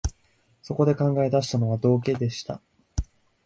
そこで考え出したのは、道化でした